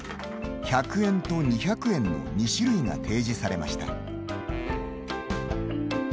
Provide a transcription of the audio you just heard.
１００円と２００円の２種類が提示されました。